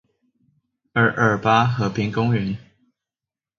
二二八和平公園